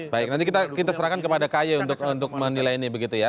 baik nanti kita serahkan kepada kayu untuk menilai ini begitu ya pak yudi